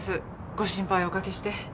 ご心配おかけして。